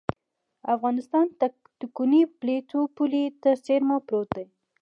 افغانستان تکتونیکي پلیټو پولې ته څېرمه پروت دی